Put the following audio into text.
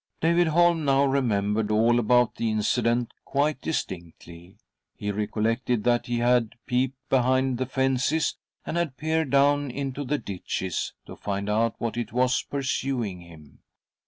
. David Holm now remembered all about the incident quite distinctly. He recollected that he had peeped behind the fences, and had peered down into the ditches, to find out what it was pursuing him.